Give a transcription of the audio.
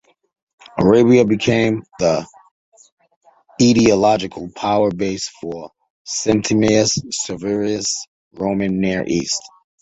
Arabia became the ideological power base for Septemius Severus in the Roman Near East.